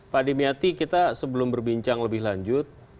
pak dimyati kita sebelum berbincang lebih lanjut